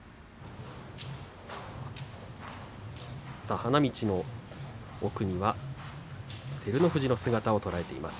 花道の奥には照ノ富士の姿を捉えています。